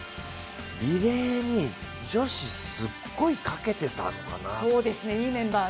リレーに女子すっごいかけてたのかな。